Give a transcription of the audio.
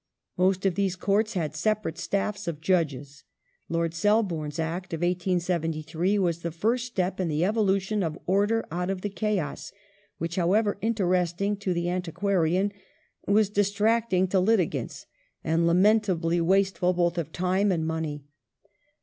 Most of these Courts had separate staffs of j udges. Lord Selborne's Act of 1873 was the first step in the evolution of order out of the chaos, which, however interesting to the antiquarian, was distracting to litigants, and lamentably wasteful both of time 1 Morley, ii.